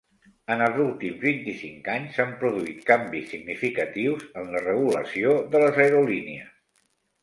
En els últims vint-i-cinc anys s'han produït canvis significatius en la regulació de les aerolínies.